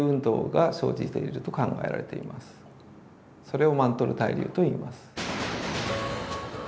それをマントル対流といいます。